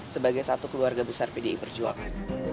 sebagai satu keluarga besar pdi perjuangan